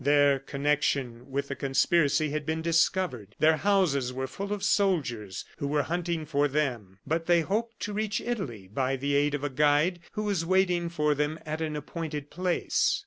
Their connection with the conspiracy had been discovered; their houses were full of soldiers, who were hunting for them, but they hoped to reach Italy by the aid of a guide who was waiting for them at an appointed place.